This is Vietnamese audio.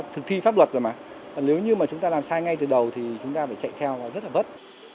thực thi pháp luật rồi mà nếu như mà chúng ta làm sai ngay từ đầu thì chúng ta phải chạy theo và rất là vất